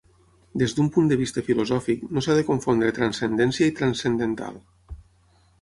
Des d'un punt de vista filosòfic, no s'ha de confondre transcendència i transcendental.